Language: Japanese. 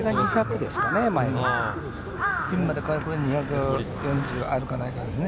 ピンまで２４０あるかないかですね。